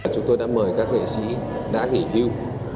chúng tôi đã mời các nghệ sĩ đã nghỉ hưu